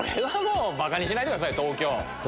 バカにしないでくださいよ。